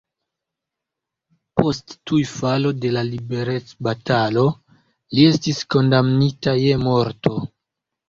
Post tuj falo de la liberecbatalo li estis kondamnita je morto.